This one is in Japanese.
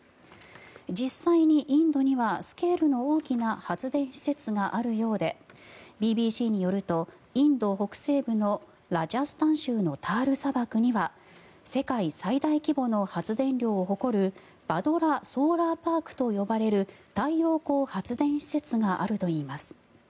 実際にインドにはスケールの大きな発電施設があるそうでＢＢＣによるとインド北部のラジャスタン州のタール砂漠には世界最大規模の発電量を誇るバドラ・ソーラーパークと呼ばれる太陽光発電施設があるといいます。